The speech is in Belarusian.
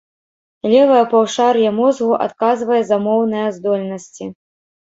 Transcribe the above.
Левае паўшар'е мозгу адказвае за моўныя здольнасці.